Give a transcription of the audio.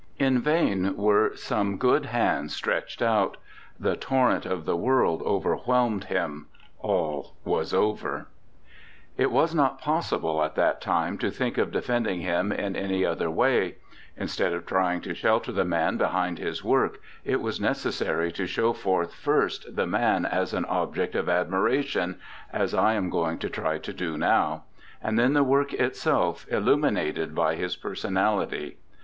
In vain were some hands stretched out: the torrent of the world overwhelmed him all was over. [Illustration: OSCAR WILDE AT OXFORD, 1878.] It was not possible at that time to think of defending him in any other way. Instead of trying to shelter the man behind his work, it was necessary to show forth first the man as an object of admiration as I am going to try to do now and then the work itself illuminated by his personality.